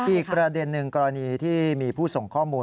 อีกประเด็นหนึ่งกรณีที่มีผู้ส่งข้อมูล